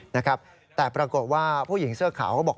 นะครับแต่ปรากฏว่าผู้หญิงเสื้อขาวก็บอก